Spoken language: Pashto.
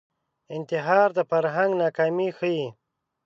انتحار د فرهنګ ناکامي ښيي